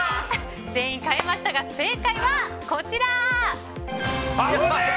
全員変えましたが正解はこちら。